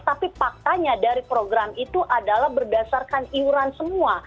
tapi faktanya dari program itu adalah berdasarkan iuran semua